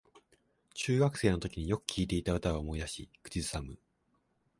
中学生のときによく聴いていた歌を思い出し口ずさむ